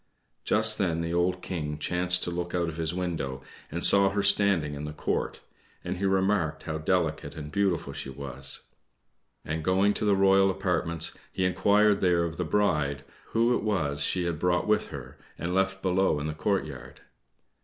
Just then the old King chanced to look out of his window and saw her standing in the court, and he remarked how delicate and beautiful she was; and, going to the royal apartments, he inquired there of the bride who it was she had brought with her and left below in the courtyard.